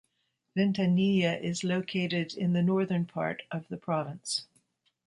Ventanilla is located in the northern part of the province.